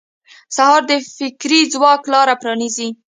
سهار د فکري ځواک لاره پرانیزي.